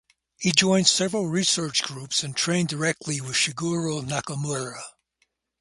He joined several research groups and trained directly with Shigeru Nakamura.